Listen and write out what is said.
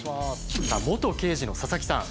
元刑事の佐々木さん。